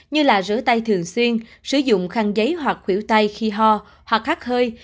như rửa tay thường xuyên sử dụng khăn giấy hoặc khỉu tay khi ho hoặc hát hơi